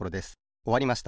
おわりました。